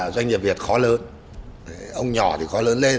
doanh nghiệp việt khó lớn ông nhỏ thì khó lớn lên